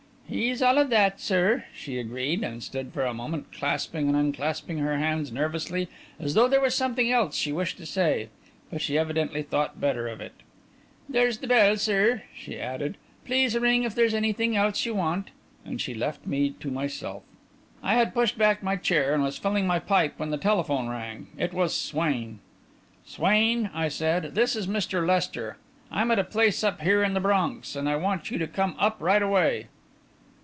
"He's all of that, sir," she agreed, and stood for a moment, clasping and unclasping her hands nervously, as though there was something else she wished to say. But she evidently thought better of it. "There's the bell, sir," she added. "Please ring if there's anything else you want," and she left me to myself. I had pushed back my chair and was filling my pipe when the telephone rang. It was Swain. "Swain," I said, "this is Mr. Lester. I'm at a place up here in the Bronx, and I want you to come up right away."